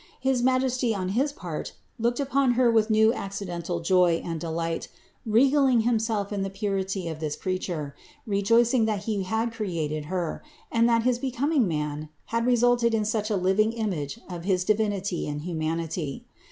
His Majesty on his part looked upon Her with new accidental joy and delight, regaling Himself in the purity of this Creature, rejoicing that He had created Her, and that his becoming man had resulted in such a living image of his Divinity and humanity.